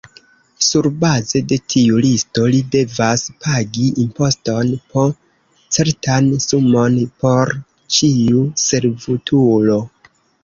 Surbaze de tiu listo, li devas pagi imposton, po certan sumon por ĉiu servutulo.